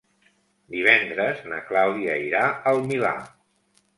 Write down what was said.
Divendres na Clàudia irà al Milà.